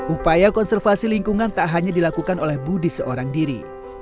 upaya konservasi lingkungan tak hanya dilakukan oleh budi seorang diri